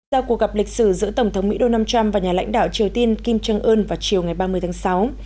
sau cuộc gặp lịch sử giữa tổng thống mỹ donald trump và nhà lãnh đạo triều tiên kim jong un vào chiều ngày ba mươi tháng sáu